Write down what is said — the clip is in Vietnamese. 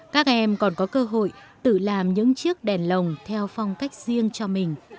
các em còn có cơ hội tự làm những chiếc đèn lồng theo phong cách riêng cho mình